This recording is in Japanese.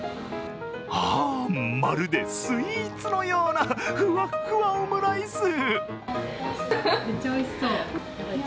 ああ、まるでスイーツのようなふわっふわオムライス。